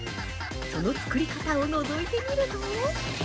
その作り方をのぞいてみると。